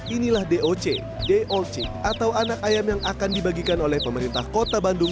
inilah doc doc atau anak ayam yang akan dibagikan oleh pemerintah kota bandung